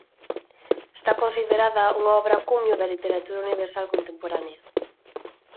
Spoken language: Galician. Está considerada unha obra cumio da literatura universal contemporánea.